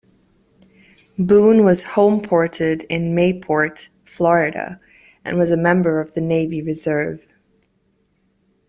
"Boone" was homeported in Mayport, Florida, and was a member of the Navy Reserve.